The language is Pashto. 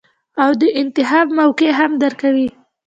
او د انتخاب موقع هم درکوي -